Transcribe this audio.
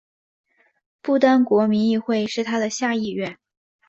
不丹国民议会是它的下议院。